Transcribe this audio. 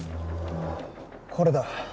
これだ。